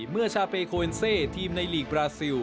เมื่อชาเปโคเวนเซทีมในลีกบราซิล